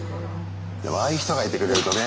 でもああいう人がいてくれるとね。